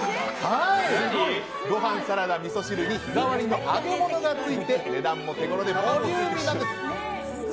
ご飯、サラダ、みそ汁に日替わりの揚げ物がついて値段も手ごろでボリューミーなんです。